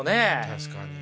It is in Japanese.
確かに。